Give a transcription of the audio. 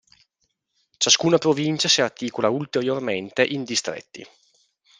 Ciascuna provincia si articola ulteriormente in distretti.